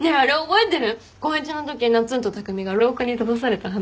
高１のときなっつんと匠が廊下に立たされた話。